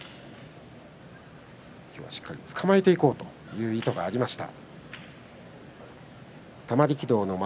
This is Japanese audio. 今日はしっかりつかまえていこうという意図がありました。